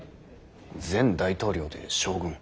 前大統領で将軍？